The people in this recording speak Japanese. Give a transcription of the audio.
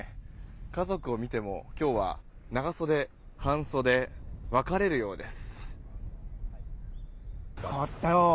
家族を見ても、今日は長袖、半袖、分かれるようです。